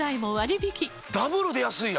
ダブルで安いな！